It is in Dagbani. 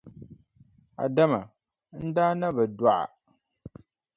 Adama, n daa na bi dɔɣi a.